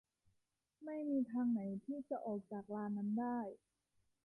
ไม่มีทางไหนที่จะออกจากลานนั้นได้